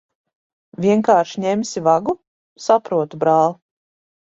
Vienkārši ņemsi vagu? Saprotu, brāl'.